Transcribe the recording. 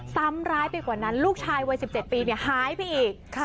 ซ้ำร้ายไปกว่านั้นลูกชายวัย๑๗ปีหายไปอีก